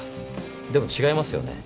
でも違いますよね？